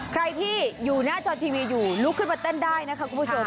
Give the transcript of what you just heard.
ใครที่อยู่หน้าจอทีวีอยู่ลุกขึ้นมาเต้นได้นะคะคุณผู้ชม